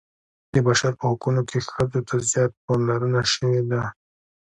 د بشر په حقونو کې ښځو ته زیاته پاملرنه شوې ده.